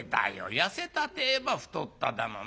痩せたてえば太っただなんて。